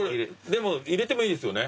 でも入れてもいいですよね？